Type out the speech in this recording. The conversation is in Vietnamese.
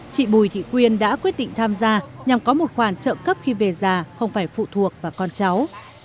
chị bùi thị quyên đã quyết định tham gia nhằm có một khoản trợ cấp khi về già không phải phụ thuộc vào con cháu